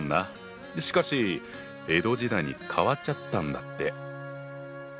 しかし江戸時代に変わっちゃったんだって？